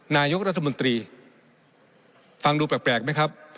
นายกรัฐมนตรีฟังดูแปลกไหมครับ